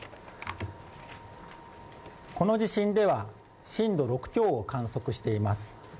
この地震では震度６強を観測しています。